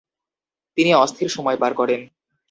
তিনি অস্থির সময় পার করেন।